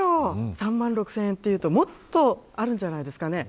３万６０００円というともっとあるんじゃないですかね。